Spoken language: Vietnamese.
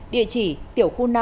địa chỉ tiểu khu năm